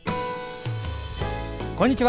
こんにちは。